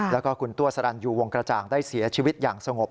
แล้วก็คุณตัวสรรยูวงกระจ่างได้เสียชีวิตอย่างสงบ